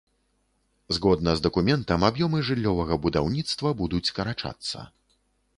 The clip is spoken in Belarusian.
Згодна з дакументам, аб'ёмы жыллёвага будаўніцтва будуць скарачацца.